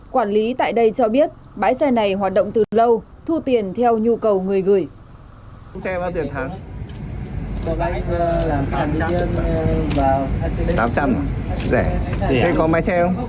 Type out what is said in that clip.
quản lý tại đây cho biết bãi xe này hoạt động từ lâu thu tiền theo nhu cầu người gửi